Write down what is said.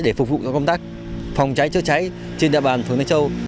để phục vụ các công tác phòng cháy chữa cháy trên địa bàn phường nguyễn châu